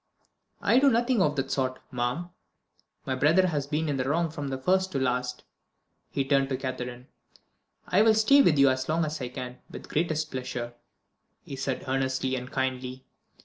"I do nothing of the sort, ma'am. My brother has been in the wrong from first to last." He turned to Catherine. "I will stay with you as long as I can, with the greatest pleasure," he said earnestly and kindly.